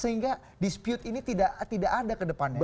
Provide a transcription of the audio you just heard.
sehingga dispute ini tidak ada kedepannya